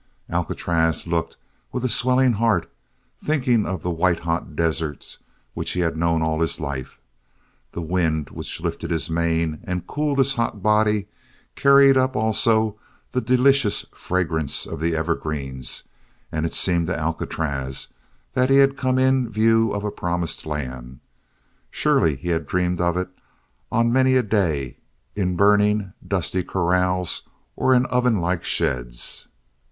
Alcatraz looked with a swelling heart, thinking of the white hot deserts which he had known all his life. The wind which lifted his mane and cooled his hot body carried up, also, the delicious fragrance of the evergreens and it seemed to Alcatraz that he had come in view of a promised land. Surely he had dreamed of it on many a day in burning, dusty corrals or in oven like sheds.